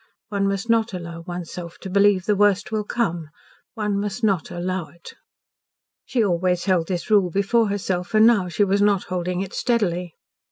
One must not allow one's self to believe the worst will come one must not allow it. She always held this rule before herself, and now she was not holding it steadily.